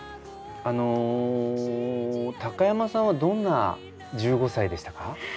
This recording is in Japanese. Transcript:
あの高山さんはどんな１５歳でしたか？